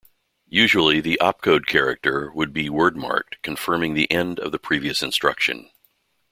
Usually the op-code character would be word-marked, confirming the end of the previous instruction.